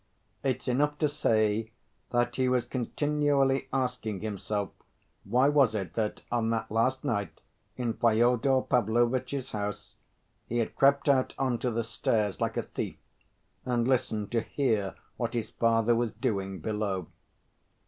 It's enough to say that he was continually asking himself, why was it that on that last night in Fyodor Pavlovitch's house he had crept out on to the stairs like a thief and listened to hear what his father was doing below?